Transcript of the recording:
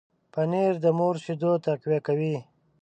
پنېر د مور شیدو تقویه کوي.